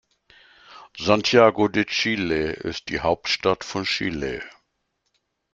Santiago de Chile ist die Hauptstadt von Chile.